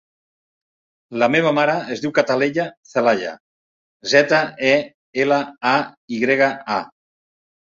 La meva mare es diu Cataleya Zelaya: zeta, e, ela, a, i grega, a.